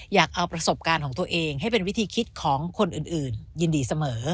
อยากเอาประสบการณ์ของตัวเองให้เป็นวิธีคิดของคนอื่นยินดีเสมอ